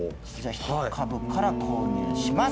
１株から購入します。